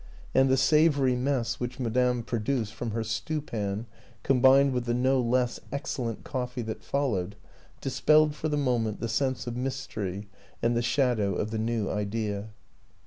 ... And the savory mess which Madame produced from her stewpan, combined with the no less excellent coffee that followed, dis pelled for the moment the sense of mystery and the shadow of the New Idea.